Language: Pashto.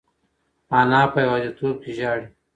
انا په یوازیتوب کې ژاړي.